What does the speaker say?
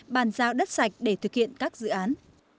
bàn giao đất sạch để thực hiện các dự án